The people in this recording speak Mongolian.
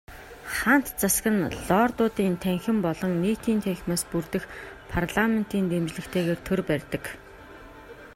Хаант засаг нь Лордуудын танхим болон Нийтийн танхимаас бүрдэх парламентын дэмжлэгтэйгээр төр барьдаг.